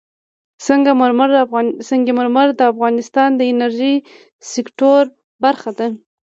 سنگ مرمر د افغانستان د انرژۍ سکتور برخه ده.